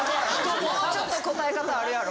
もうちょっと答え方あるやろ。